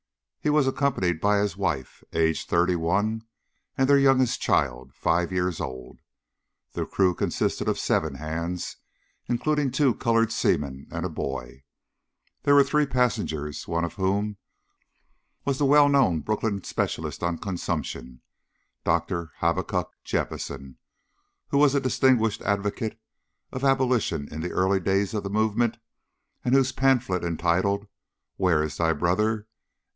He was accompanied by his wife, aged thirty one, and their youngest child, five years old. The crew consisted of seven hands, including two coloured seamen, and a boy. There were three passengers, one of whom was the well known Brooklyn specialist on consumption, Dr. Habakuk Jephson, who was a distinguished advocate for Abolition in the early days of the movement, and whose pamphlet, entitled "Where is thy Brother?"